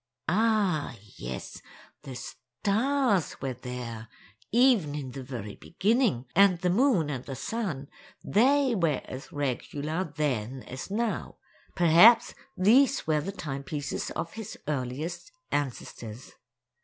Ah yes, the stars were there, even in the very beginning—and the moon and the sun, they were as regular then as now; perhaps these were the timepieces of his earliest ancestors.